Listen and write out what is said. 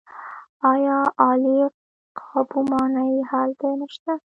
آیا عالي قاپو ماڼۍ هلته نشته؟